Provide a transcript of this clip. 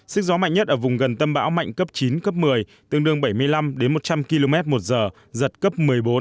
sức gió mạnh nhất ở vùng gần tâm bão mạnh cấp chín cấp một mươi tương đương bảy mươi năm đến một trăm linh km một giờ giật cấp một mươi bốn